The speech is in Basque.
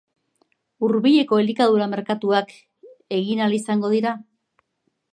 Hurbileko elikadura-merkatuak egin ahal izango dira?